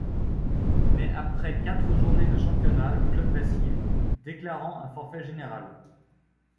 Mais après quatre journées de championnat, le club vacille déclarant un forfait général.